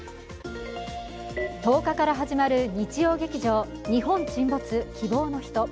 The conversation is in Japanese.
１０日から始まる日曜劇場「日本沈没−希望のひと−」